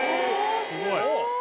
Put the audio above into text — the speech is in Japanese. すごい！